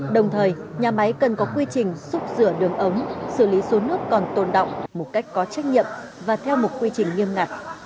đồng thời nhà máy cần có quy trình xúc rửa đường ấm xử lý số nước còn tồn động một cách có trách nhiệm và theo một quy trình nghiêm ngặt